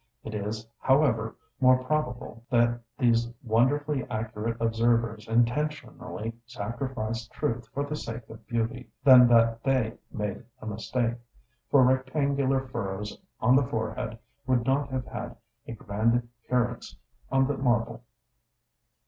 It is, however, more probable that these wonderfully accurate observers intentionally sacrificed truth for the sake of beauty, than that they made a mistake; for rectangular furrows on the forehead would not have had a grand appearance on the marble.